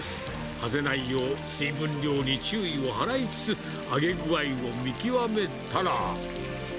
はぜないよう、水分量に注意を払いつつ、揚げ具合を見極めたら。